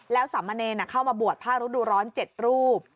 แล้วสามเณรเข้ามาบวชผ้าฤดูร้อน๗รูป